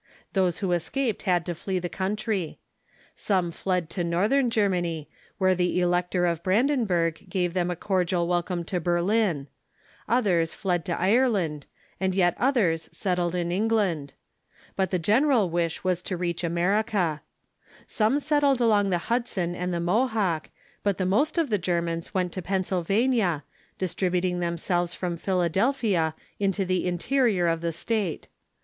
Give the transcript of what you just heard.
Those who escaped had to flee the country. THE TKOVIDENTIAL PLANTING 453 Some fled to Northern Germany, where the Elector of Bran denburg gave them a cordial welcome to Berlin, Others fled to Ireland, and yet others settled in England. But ^PeifnsyTvalia'" ^^^^ general wish was to reach America. Some set tled along the Hudson and the Mohawk, but the most of the Germans went to Pennsylvania, distributing them selves from Philadelphia into the interior of the State.